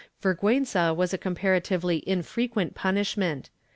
Vergiienza was a comparatively infrequent punishment.